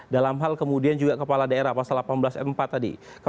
dalam hal kemudian juga kepala daerah pasal delapan belas empat tadi